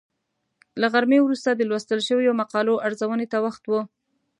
له غرمې وروسته د لوستل شویو مقالو ارزونې ته وخت و.